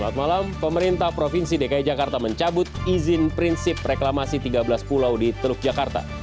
selamat malam pemerintah provinsi dki jakarta mencabut izin prinsip reklamasi tiga belas pulau di teluk jakarta